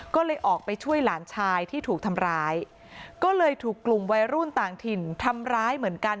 ก็เลยออกไปช่วยหลานชายที่ถูกทำร้ายก็เลยถูกกลุ่มวัยรุ่นต่างถิ่นทำร้ายเหมือนกัน